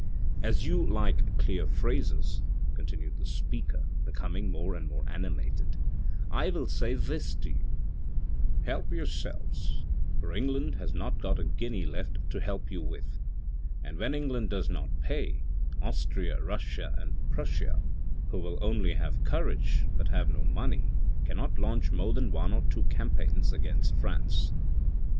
As you like clear phrases," continued the speaker, becoming more and more animated, " I will say this to you : Help yourselves, for England has not got a guinea left to help you with, and when England does not pay, Austria, Russia and Prussia — who will only have courage but have no money — cannot launch more than one or two campaigns against France.